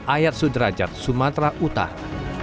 ayat sudrajat sumatera utara